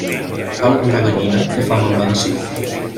Caldo de gallina té fama en medicina.